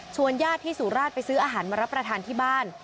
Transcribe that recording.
ญาติที่สุราชไปซื้ออาหารมารับประทานที่บ้าน